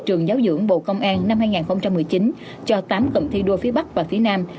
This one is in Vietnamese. trường giáo dưỡng bộ công an năm hai nghìn một mươi chín cho tám cụm thi đua phía bắc và phía nam